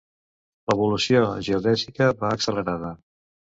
L'evolució geodèsica va accelerada.